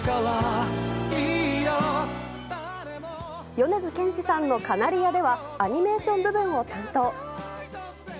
米津玄師さんの「カナリヤ」ではアニメーション部分を担当。